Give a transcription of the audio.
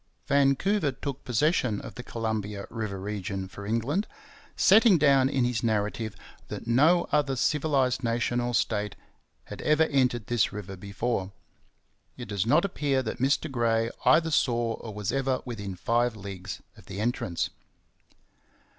Vancouver took possession of the Columbia river region for England, setting down in his narrative that 'no other civilized nation or state had ever entered this river before ... it does not appear that Mr Gray either saw or was ever within five leagues of the entrance.'